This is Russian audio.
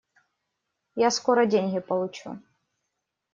Я скоро деньги получу.